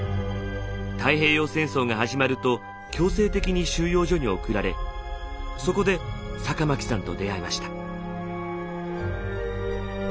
太平洋戦争が始まると強制的に収容所に送られそこで酒巻さんと出会いました。